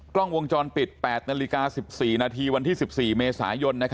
กล้องวงจรปิด๘นาฬิกา๑๔นาทีวันที่๑๔เมษายน